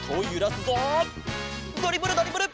ドリブルドリブル